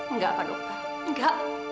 enggak pak dokter enggak